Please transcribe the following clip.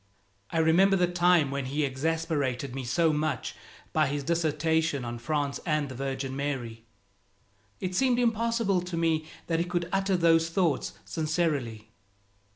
I remember the time when he exasperated me so much by his dissertation on France and the Virgin Mary. It seemed impossible to me that he could utter those thoughts sincerely.